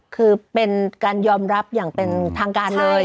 คือเป็นการยอมรับอย่างเป็นทางการเลย